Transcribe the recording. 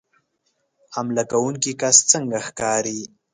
حمله کوونکی کس څنګه ښکاري